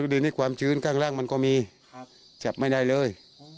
เดือนนี้ความชื้นข้างล่างมันก็มีจับไม่ได้เลย